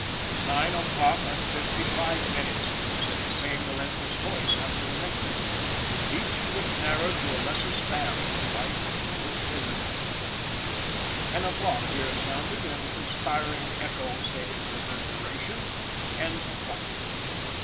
"Nine o'clock and fifty five minutes!" said the same relentless voice, after the next interval, each of which narrowed to a lesser span the life of the good President. Ten o'clock here sounded, and conspiring echo said in reverberation: "Ten o'clock!"